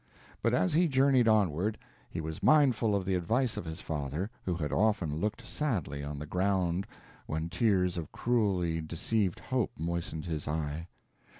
But as he journeyed onward, he was mindful of the advice of his father, who had often looked sadly on the ground when tears of cruelly deceived hope moistened his eye.